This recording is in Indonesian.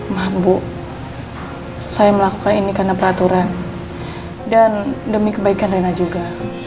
maaf bu saya melakukan ini karena peraturan dan demi kebaikan rena juga